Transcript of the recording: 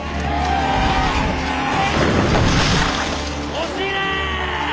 押し入れ！